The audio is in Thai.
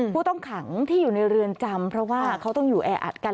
ผู้ต้องขังที่อยู่ในเรือนจำเพราะว่าเขาต้องอยู่แออัดกัน